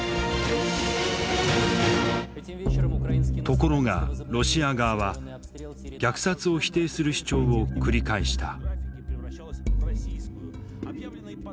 ところがロシア側は虐殺を否定する主張を繰り返した。